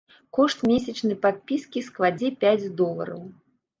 Кошт месячнай падпіскі складзе пяць долараў.